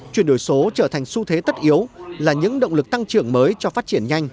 chuyển đổi số trở thành xu thế tất yếu là những động lực tăng trưởng mới cho phát triển nhanh